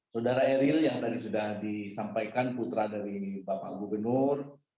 saudara eril yang tadi sudah disampaikan putra dari bapak gubernur